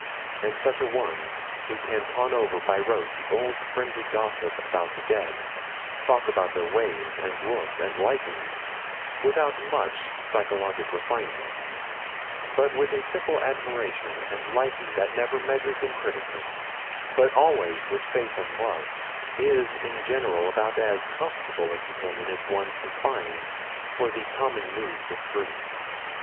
And such a one, who can con over by rote the old friendly gossip about the dead, talk about their ways, and looks, and likings, without much psychologic refinement, but with a simple admiration and liking that never measured them critically, but always with faith and love, is in general about as comfortable a companion as one can find for the common moods of grief.